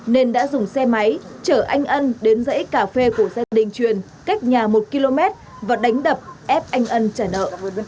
nên đã dùng xe máy chở anh ân đến dãy cà phê của gia đình truyền cách nhà một km và đánh đập ép anh ân trả nợ